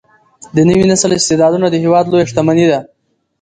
د نوي نسل استعدادونه د هیواد لویه شتمني ده.